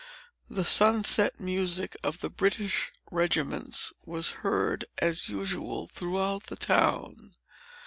The sunset music of the British regiments was heard, as usual, throughout the town.